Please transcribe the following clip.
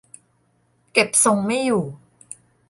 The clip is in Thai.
เก็บทรงไม่อยู่